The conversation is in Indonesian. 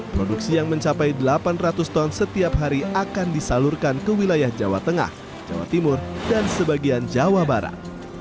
produksi yang mencapai delapan ratus ton setiap hari akan disalurkan ke wilayah jawa tengah jawa timur dan sebagian jawa barat